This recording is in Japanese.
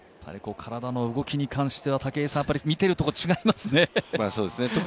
体の動きに関しては、武井さんは見ているところが違いますね。